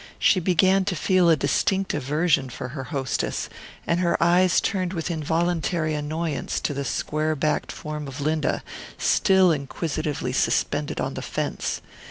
She began to feel a distinct aversion for her hostess, and her eyes turned with involuntary annoyance to the square backed form of Linda, still inquisitively suspended on the fence.